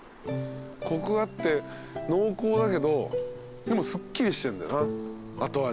コクあって濃厚だけどでもすっきりしてるんだよな後味。